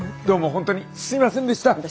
どうも本当にすいませんでした。